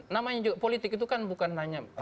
namanya juga politik itu kan bukan hanya